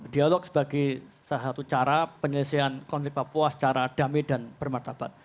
dialog sebagai salah satu cara penyelesaian konflik papua secara damai dan bermartabat